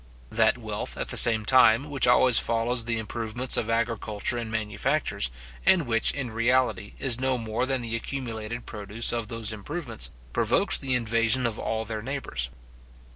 That wealth, at the same time, which always follows the improvements of agriculture and manufactures, and which, in reality, is no more than the accumulated produce of those improvements, provokes the invasion of all their neighbours.